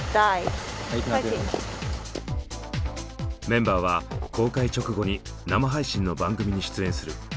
メンバーは公開直後に生配信の番組に出演する。